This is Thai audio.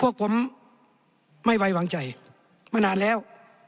พวกผมไม่ไว้วางใจมานานแล้ว